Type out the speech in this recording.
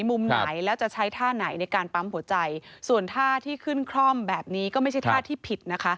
มุมไหนแล้วจะใช้ท่าไหนในการปั๊มหัวใจส่วนท่าที่ขึ้นคร่อมแบบนี้ก็ไม่ใช่ท่าที่ผิดนะคะ